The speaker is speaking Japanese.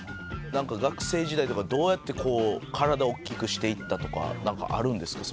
なんか学生時代とかどうやってこう体を大きくしていったとかなんかあるんですか？